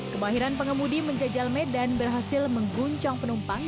kemahiran pengemudi menjajal medan berhasil mengguncang penumpang